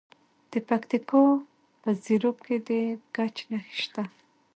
د پکتیکا په زیروک کې د ګچ نښې شته.